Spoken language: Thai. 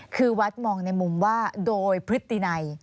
คือวัดมองในมุมว่าโดยพฤตินัย